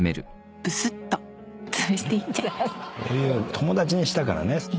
友だちにしたからね。